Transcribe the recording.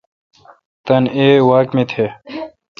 تان ای واک می تھ۔